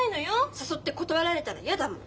誘って断られたら嫌だもん。